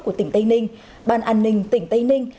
của tỉnh tây ninh ban an ninh tỉnh tây ninh